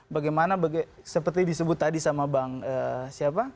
bagaimana seperti disebut tadi sama bang siapa